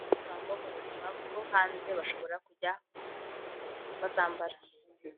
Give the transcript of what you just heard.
gusa ngo mu buzima bwo hanze bashobora kujya bazambara